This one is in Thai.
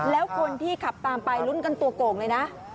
แล้วคนที่ขับตามไปลุ้นกันตัวโก่งเลยนะ